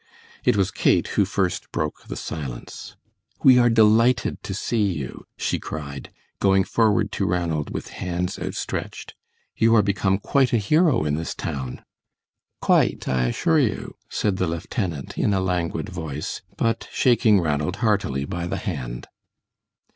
It was Kate who first broke the silence. "We are delighted to see you," she cried, going forward to Ranald with hands outstretched; "you are become quite a hero in this town." "Quite, I assure you," said the lieutenant, in a languid voice, but shaking Ranald heartily by the hand.